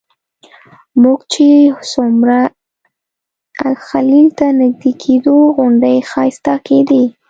موږ چې څومره الخلیل ته نږدې کېدو غونډۍ ښایسته کېدې.